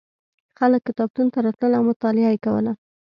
خلک کتابتون ته راتلل او مطالعه یې کوله.